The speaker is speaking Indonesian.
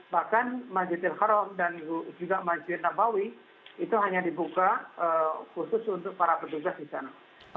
bahkan masjid al haram dan juga masjid nabawi itu hanya dibuka khusus untuk para petugas di sana